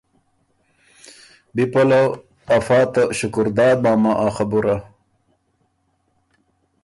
بی پلؤ افا ته شکرداد ماما ا خبُره